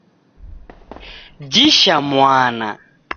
Jisha mwana